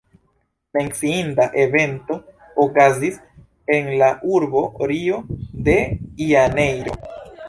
Menciinda evento okazis en la urbo Rio de janeiro.